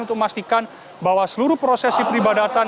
untuk memastikan bahwa seluruh prosesi peribadatan